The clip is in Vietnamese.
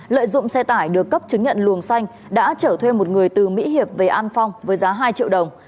lợi dụng xe tải được cấp chứng nhận luồng xanh đã trở thuê một người từ mỹ hiệp về an phong với giá hai triệu đồng